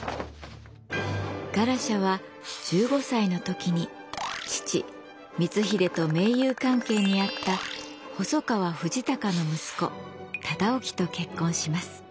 ガラシャは１５歳の時に父光秀と盟友関係にあった細川藤孝の息子忠興と結婚します。